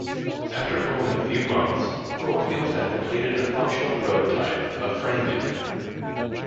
After only a few months, Corfield had completed a functional prototype of FrameMaker.